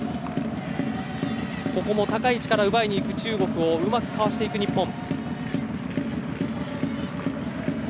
高い位置から奪いにいく中国をうまくかわしていく日本。